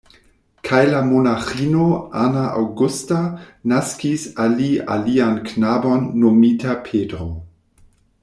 Kaj la monaĥino Ana Augusta naskis al li alian knabon nomita Pedro.